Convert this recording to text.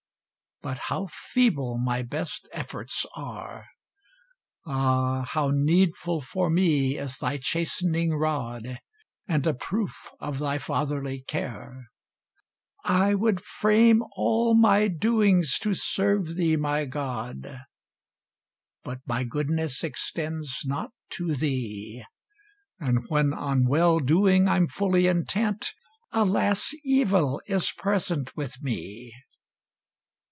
But how feeble my best efforts are; Ah! how needful for me is thy chastening rod, And a proof of thy fatherly care. I would frame all my doings to serve thee, my God! But my goodness extends not to thee; And when on well doing I'm fully intent, Alas! evil is present with me.